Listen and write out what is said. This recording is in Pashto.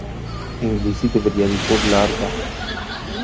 انګلیسي د بریالیتوب لار ده